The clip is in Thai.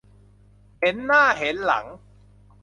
เห็นหน้าเห็นหลัง